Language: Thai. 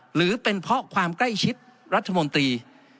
หรือเป็นเพราะความใกล้ชิดรัฐมนตรี